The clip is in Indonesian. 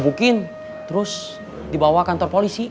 lagi di jalan apa